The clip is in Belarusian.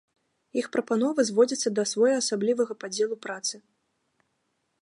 Іх прапановы зводзяцца да своеасаблівага падзелу працы.